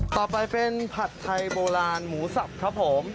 ต่อไปเป็นผัดไทยโบราณหมูสับครับผม